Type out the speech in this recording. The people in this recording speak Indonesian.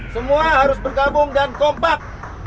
semua harus bergabung dan kompak